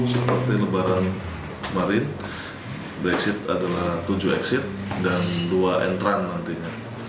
seperti lebaran kemarin brexit adalah tujuh exit dan dua entran nantinya